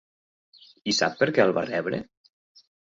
I sap per què el va rebre?